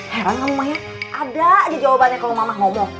heran kamu ya ada aja jawabannya kalau mama ngomong